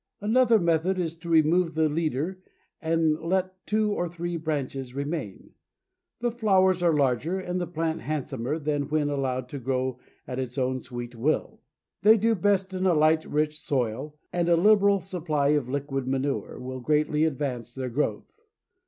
Another method is to remove the leader and let two or three branches remain. The flowers are larger, and the plant handsomer than when allowed to grow at its own sweet will. They do best in a light, rich soil, and a liberal supply of liquid manure will greatly advance their growth.